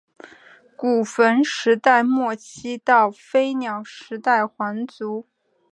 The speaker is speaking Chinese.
古坟时代末期到飞鸟时代皇族。